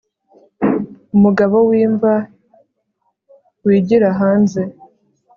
Umugabo wimva wigira hanze